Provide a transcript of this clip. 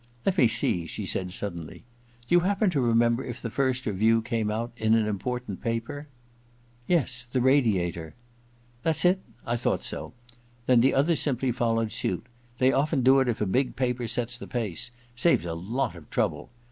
• Let me see/ she said suddenly ;* do you happen to remember if the first review came out in an important paper ?'* Yes — the Radiator.^ * That's it ! I thought so. Then the others simply followed suit : they .often do if a big paper sets the pace. Saves a lot of trouble.